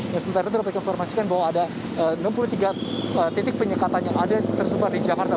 yang sementara itu dapat informasikan bahwa ada enam puluh tiga titik penyekatan yang ada tersebar di jakarta